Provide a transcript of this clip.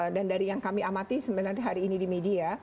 dan dari yang kami amati sebenarnya hari ini di media